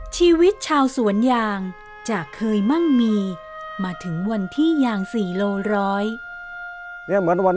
ชีวิตชาวสวนยางจะเคยมั่งมีมาถึงวันที่ยาง๔โลร้อย